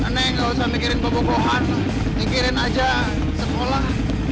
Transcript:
neng gak usah mikirin pebobohan mikirin aja sekolah